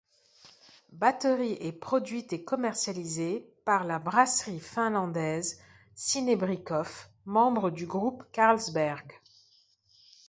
Battery est produite et commercialisée par la brasserie finlandaise Sinebrychoff, membre du groupe Carlsberg.